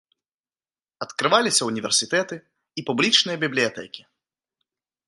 Адкрываліся ўніверсітэты і публічныя бібліятэкі.